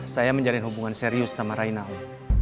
saya menjalin hubungan serius sama raina om